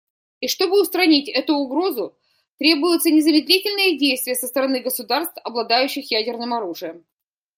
И чтобы устранить эту угрозу, требуются незамедлительные действия со стороны государств, обладающих ядерным оружием.